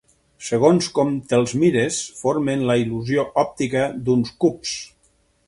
Segons com te'ls mires, formen la il·lusió òptica d'uns cubs.